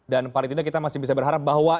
dan paling tidak kita masih bisa berharap bahwa